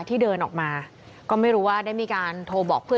ที่เดินออกมาก็ไม่รู้ว่าได้มีการโทรบอกเพื่อน